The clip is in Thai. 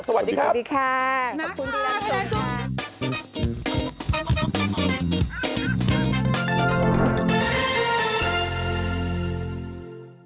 สวัสดีครับสวัสดีค่ะขอบคุณครับดีกว่าสวัสดีค่ะ